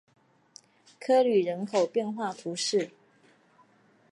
科吕人口变化图示